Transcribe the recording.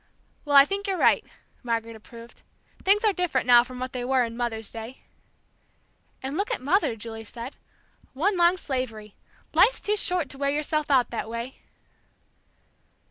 "Well, I think you're right," Margaret approved. "Things are different now from what they were in Mother's day." "And look at Mother," Julie said. "One long slavery! Life's too short to wear yourself out that way!"